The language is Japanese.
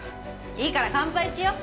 いいから乾杯しよう！